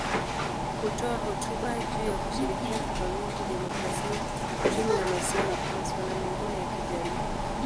Hutoa hotuba juu ya kushirikiana kwa wingi, demokrasia, uchumi na masuala mengine ya kijamii.